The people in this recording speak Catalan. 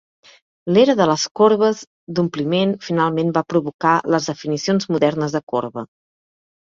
L'era de les corbes d'ompliment finalment va provocar les definicions modernes de corba.